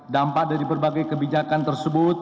dampak dari berbagai kebijakan tersebut